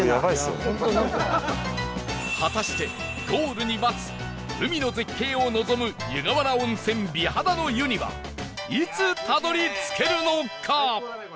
果たしてゴールに待つ海の絶景を望む湯河原温泉美肌の湯にはいつたどり着けるのか？